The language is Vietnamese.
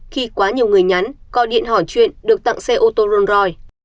khi quá nhiều người nhắn co điện hỏi chuyện được tặng xe ô tô rolls royce